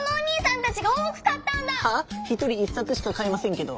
１人１さつしかかえませんけど。